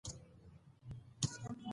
په دې کتاب کې يې ځاى په ځاى کړي دي.